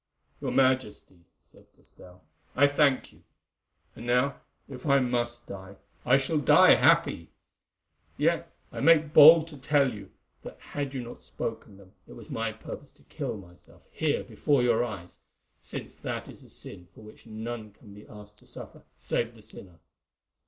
"Your Majesty," said Castell, "I thank you, and now, if die I must, I shall die happy. Yet I make bold to tell you that had you not spoken them it was my purpose to kill myself, here before your eyes, since that is a sin for which none can be asked to suffer save the sinner.